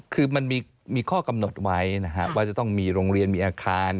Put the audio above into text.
คือมันมีข้อกำหนดไว้นะครับว่าจะต้องมีโรงเรียนมีอาคาร